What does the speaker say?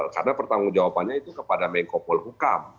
karena pertanggung jawabannya itu kepada mengkopol hukam